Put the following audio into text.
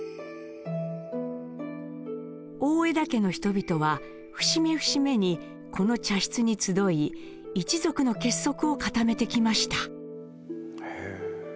大條家の人々は節目節目にこの茶室に集い一族の結束を固めてきました。